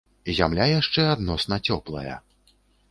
Зямля яшчэ адносна цёплая.